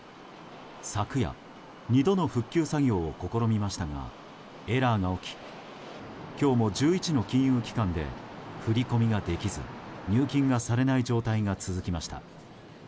昨夜、２度の復旧作業を試みましたがエラーが起き今日も１１の金融機関で振り込みができず入金がされない状態が続きました。